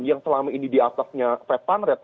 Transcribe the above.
yang selama ini di atasnya fed fund rate